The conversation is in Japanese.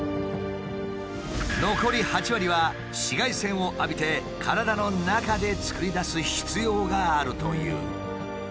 残り８割は紫外線を浴びて体の中で作り出す必要があるという。